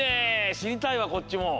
しりたいわこっちも！